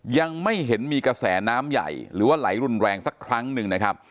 ยังไม่เห็นมีกระแสน้ำใหญ่หรือว่าไหลรุนแรงสักครั้งหนึ่งนะครับ